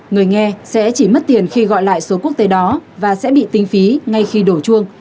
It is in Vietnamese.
người nghe sẽ chỉ mất tiền khi gọi lại số quốc tế đó và sẽ bị tính phí ngay khi đổ chuông